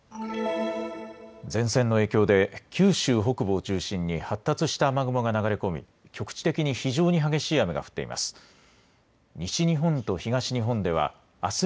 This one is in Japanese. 前線の影響で、九州北部を中心に発達した雨雲が流れ込み、局地的に非常に激しい雨が降っています。